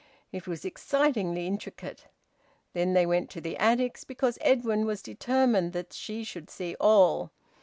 It was excitingly intricate. Then they went to the attics, because Edwin was determined that she should see all.